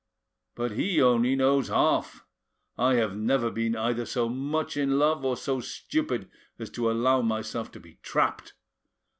But he knows only half: I have never been either so much in love or so stupid as to allow myself to be trapped.